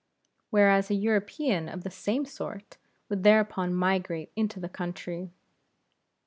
Whereas a European of the same sort would thereupon migrate into the country.